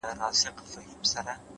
د نورو اورېدل پوهه زیاتوي’